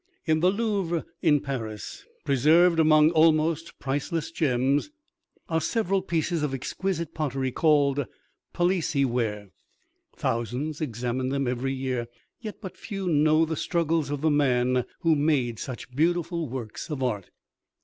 In the Louvre in Paris, preserved among almost priceless gems, are several pieces of exquisite pottery called Palissy ware. Thousands examine them every year, yet but few know the struggles of the man who made such beautiful works of art.